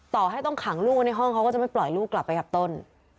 ต่อให้ต้องขังลูกไว้ในห้องเขาก็จะไม่ปล่อยลูกกลับไปกับต้น